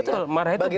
betul marah itu biasa